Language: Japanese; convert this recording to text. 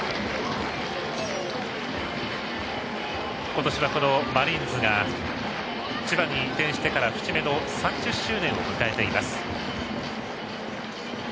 今年はこのマリーンズが千葉に移転してから節目の３０周年を迎えています。